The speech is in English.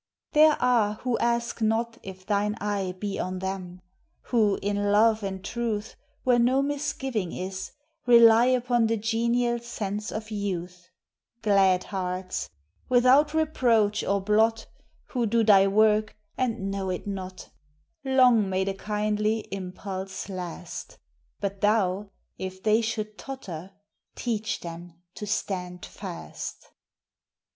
There are who ask not if. thine eye Be on them ; who, in love and truth Where no misgiving is, rely Upon the genial sense of youth : Glad hearts ! without reproach or blot, Who do thy work, and know it not; Long may the kindly impulse last! But thou, if they should totter, teach them to stand fast!